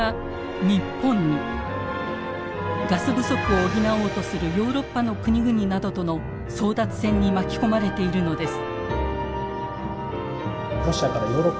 ガス不足を補おうとするヨーロッパの国々などとの争奪戦に巻き込まれているのです。